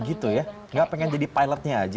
gitu ya nggak pengen jadi pilotnya aja